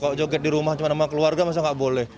kalau joget di rumah cuma sama keluarga masa nggak boleh